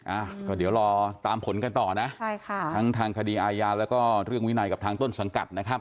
อ่ะก็เดี๋ยวรอตามผลกันต่อนะใช่ค่ะทั้งทางคดีอาญาแล้วก็เรื่องวินัยกับทางต้นสังกัดนะครับ